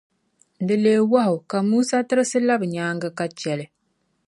di leei wahu, ka Musa tirisi lab’ nyaaŋa ka chɛ li.